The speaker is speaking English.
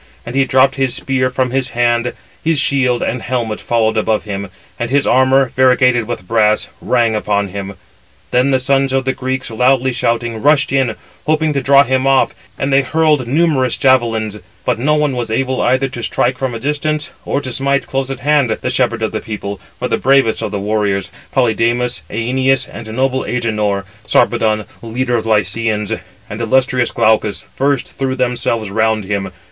And he dropped his spear from his hand, his shield and helmet followed above him, and his armour, variegated with brass, rang upon him. Then the sons of the Greeks, loudly shouting, rushed in, hoping to draw him off, and they hurled numerous javelins; but no one was able either to strike from a distance, or to smite close at hand, the shepherd of the people, for the bravest [of the warriors], Polydamas, Æneas, and noble Agenor, Sarpedon, leader of the Lycians, and illustrious Glaucus, first threw themselves round him.